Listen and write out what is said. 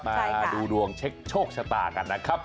มาดูดวงเช็คโชคชะตากันนะครับ